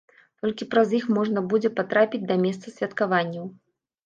Толькі праз іх можна будзе патрапіць да месца святкаванняў.